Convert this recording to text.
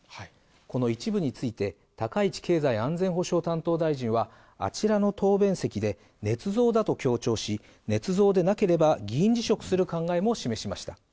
この一部について、高市経済安全保障担当大臣は、あちらの答弁席でねつ造だと強調し、ねつ造でなければ議員辞職する考えも示しました。